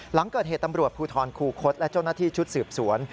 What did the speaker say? หลังเกิดเหตุตำรวจภูทรคูคศและเจ้าหน้าที่ชุดสืบสวน